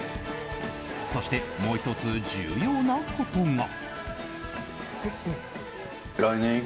そして、もう１つ重要なことが。